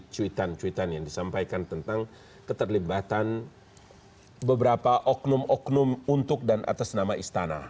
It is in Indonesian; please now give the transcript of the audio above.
cuitan cuitan yang disampaikan tentang keterlibatan beberapa oknum oknum untuk dan atas nama istana